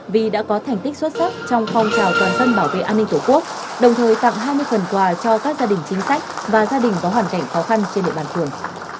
vì đã có thành tích xuất sắc trong phong trào toàn dân bảo vệ an ninh tổ quốc đồng thời tặng hai mươi phần quà cho các gia đình chính sách và gia đình có hoàn cảnh khó khăn trên địa bàn phường